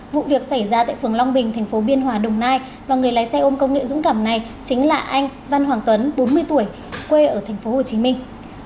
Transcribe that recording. vụ việc xảy ra tại phường long bình tp biên hòa đồng nai và người lái xe ôm công nghệ dũng cảm này chính là anh văn hoàng tuấn bốn mươi tuổi quê ở tp hồ chí minh